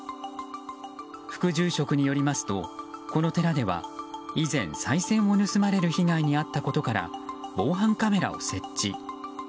副住職によりますとこの寺では、以前さい銭を盗まれる被害に遭ったことから防犯カメラを設置。